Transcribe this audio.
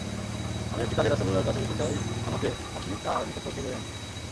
আমি একটি কাজে রাসূলুল্লাহর কাছে যেতে চাই, আমাকে আপনি তার নিকট পৌঁছিয়ে দেবেন?